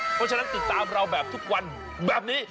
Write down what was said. เพราะฉะนั้นติดตามเราแบบทุกวันแบบนี้